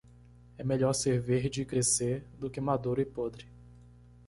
É melhor ser verde e crescer do que maduro e podre.